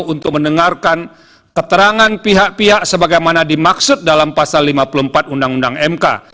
untuk mendengarkan keterangan pihak pihak sebagaimana dimaksud dalam pasal lima puluh empat undang undang mk